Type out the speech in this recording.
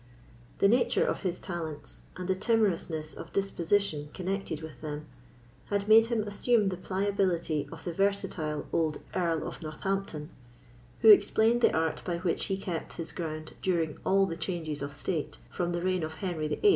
The nature of his talents, and the timorousness of disposition connected with them, had made him assume the pliability of the versatile old Earl of Northampton, who explained the art by which he kept his ground during all the changes of state, from the reign of Henry VIII.